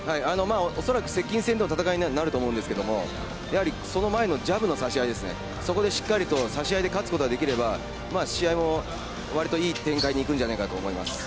恐らく接近戦での戦いになると思うんですけれどもその前のジャブの差し合いですね、そこでしっかり差し合いで勝つことができれば試合もわりといい展開にいくんじゃないかと思います。